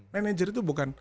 manager itu bukan